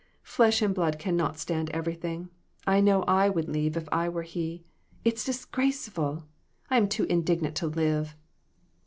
"Flesh and blood can not stand everything. I know I would leave if I were he. It's disgraceful ! I'm too indignant to live